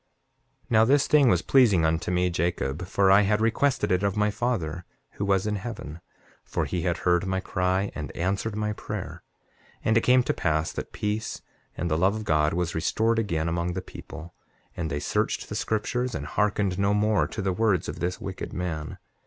7:22 Now, this thing was pleasing unto me, Jacob, for I had requested it of my Father who was in heaven; for he had heard my cry and answered my prayer. 7:23 And it came to pass that peace and the love of God was restored again among the people; and they searched the scriptures, and hearkened no more to the words of this wicked man.